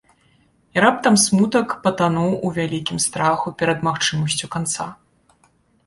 І раптам смутак патануў у вялікім страху перад магчымасцю канца.